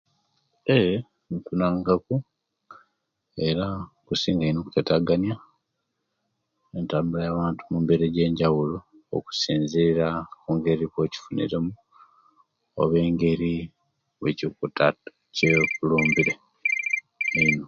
Ee infunangaku era kusinga ino okuteteganya muntabula yowantu mumbeera ejjenjawulo okusinzirira mungeri kojjifuniremu oba engeri owechikuta owechikulumbire